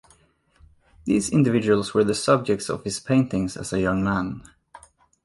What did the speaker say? These individuals were the subjects of his paintings as a young man.